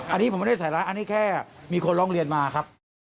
อันนี้ผมไม่ได้ใส่ร้ายอันนี้แค่มีคนร้องเรียนมาครับ